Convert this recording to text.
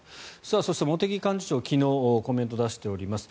そして、茂木幹事長昨日コメントを出しております。